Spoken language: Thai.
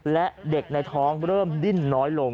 และเด็กในท้องเริ่มดิ้นน้อยลง